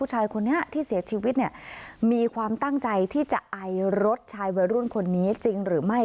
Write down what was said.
ชายคนนี้ที่เสียชีวิตเนี่ยมีความตั้งใจที่จะไอรถชายวัยรุ่นคนนี้จริงหรือไม่